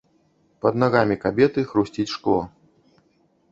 Пад нагамі кабеты хрусціць шкло.